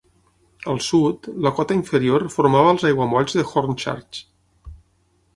Al sud, la cota inferior formava els Aiguamolls de Hornchurch.